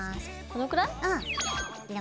このくらい？